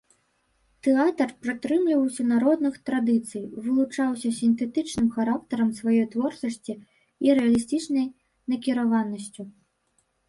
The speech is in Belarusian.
Тэатр прытрымліваўся народных традыцый, вылучаўся сінтэтычным характарам сваёй творчасці і рэалістычнай накіраванасцю.